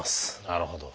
なるほど。